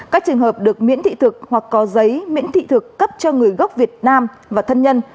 các trường hợp được miễn thị thực hoặc có giấy miễn thị thực cấp cho người gốc việt nam và thân nhân